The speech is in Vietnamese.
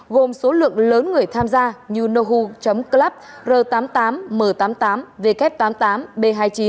gồm số lượng lớn người tham gia như nohoo club r tám mươi tám m tám mươi tám w tám mươi tám b hai mươi chín